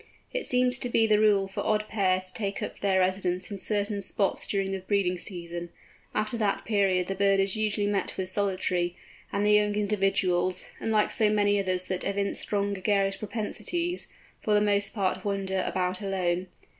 It seems to be the rule for odd pairs to take up their residence in certain spots during the breeding season; after that period the bird is usually met with solitary, and the young individuals, unlike so many others that evince strong gregarious propensities, for the most part wander about alone.